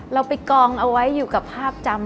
เราไปกองเอาไว้อยู่กับภาพจำ